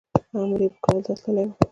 امر یې کابل ته تللی و.